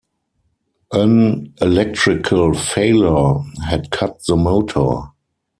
An electrical failure had cut the motor.